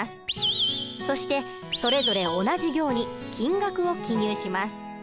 そしてそれぞれ同じ行に金額を記入します。